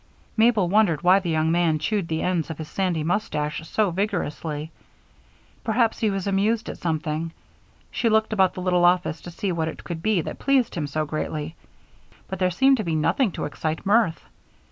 Mabel wondered why the young man chewed the ends of his sandy mustache so vigorously. Perhaps he was amused at something; she looked about the little office to see what it could be that pleased him so greatly, but there seemed to be nothing to excite mirth.